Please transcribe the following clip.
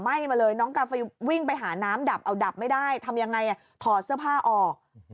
มาเลยน้องกาฟิวิ่งไปหาน้ำดับเอาดับไม่ได้ทำยังไงถอดเสื้อผ้าออก